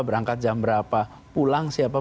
berangkat jam berapa pulang siapa